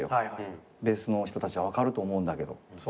ベースの人たちは分かると思うんだけど。